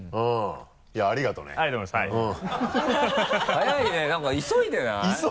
早いね何か急いでない？